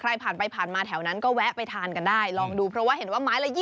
ใครผ่านไปผ่านมาแถวนั้นก็แวะไปทานกันได้ลองดูเพราะว่าเห็นว่าไม้ละ๒๐